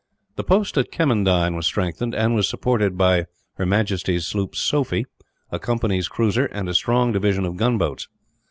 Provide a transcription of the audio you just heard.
The post at Kemmendine was strengthened, and was supported by H. M. sloop Sophie, a company's cruiser, and a strong division of gunboats.